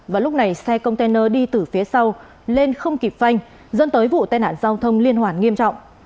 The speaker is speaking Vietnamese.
và lúc này xe container đi từ phía sau lên không kịp phanh dẫn tới vụ tai nạn giao thông liên hoàn nghiêm trọng